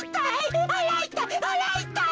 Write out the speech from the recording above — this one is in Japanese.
あらいたい！